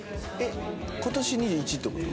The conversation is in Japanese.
今年２１って事？